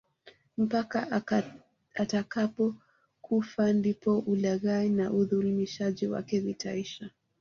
Mpaka atakapokufa ndipo ulaghai na udhulumishi wake vitaisha